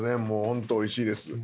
もうホントおいしいです。